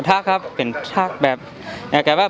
คนมาเห็นนะภาษาท่างนั้น